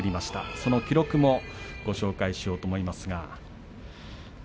その記録もご紹介しようと思います。